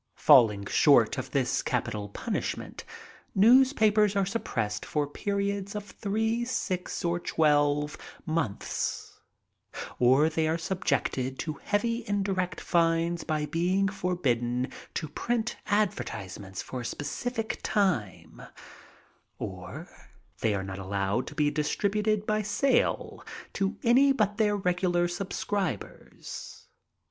Falling short of this capital punishment, newspapers are suppressed for periods of diree, six, or twelve months, or they are subjected to heavy indirect fines by being forbidden to print advertisements for a ^>eci fied time, or they are not allowed to be distributed by sale to any but their regular subscribers.